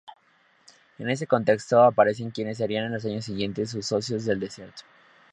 En ese contexto aparecen quienes serían en los años siguientes sus "socios del desierto".